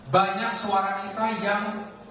banyak suara kita yang